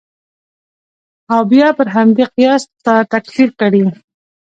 او بیا پر همدې قیاس تا تکفیر کړي.